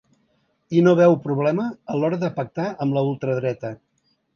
I no veu problema a l’hora de pactar amb la ultradreta.